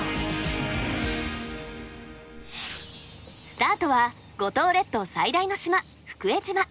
スタートは五島列島最大の島福江島。